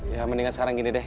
ya mendingan sekarang gini deh